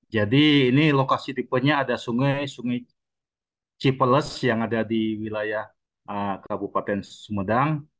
jadi ini lokasi tipenya ada sungai sungai cipeles yang ada di wilayah kabupaten sumedang